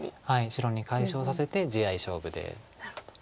白に解消させて地合い勝負で。